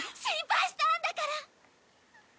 心配したんだから！